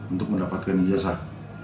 untuk mendapatkan ijazah